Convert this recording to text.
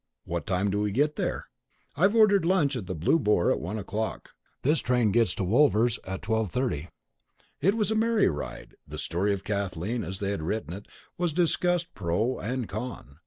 "What time do we get there?" "I've ordered lunch at the Blue Boar at one o'clock. This train gets to Wolvers at 12:30." It was a merry ride. The story of Kathleen as they had written it was discussed pro and con.